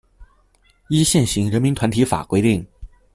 依現行人民團體法規定